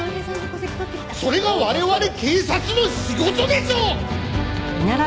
それが我々警察の仕事でしょ！